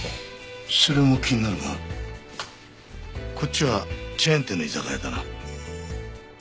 それも気になるがこっちはチェーン店の居酒屋だな。